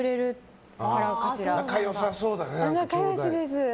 仲良さそうだね。